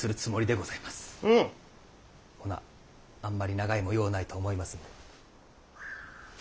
ほなあんまり長居もようないと思いますんで。